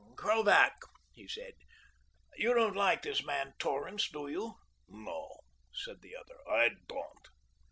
"Krovac," he said, "you don't like this man Torrance, do you?" "No," said the other, "I don't."